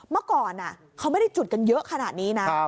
เมื่อก่อนเขาไม่ได้จุดกันเยอะขนาดนี้นะ